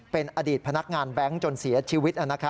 เป็นอดีตพนักงานแบงค์จนเสียชีวิต